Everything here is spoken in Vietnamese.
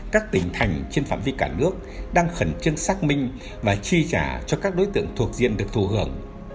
các tỉnh thành trên phạm vi cả nước đang khẩn trương xác minh và chi trả cho các đối tượng thuộc diện được thù hưởng